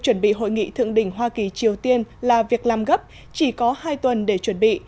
chuẩn bị hội nghị thượng đỉnh hoa kỳ triều tiên là việc làm gấp chỉ có hai tuần để chuẩn bị